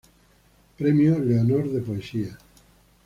Premio Leonor de poesía.